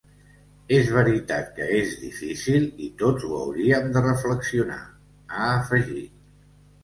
És veritat que és difícil, i tots ho hauríem de reflexionar, ha afegit.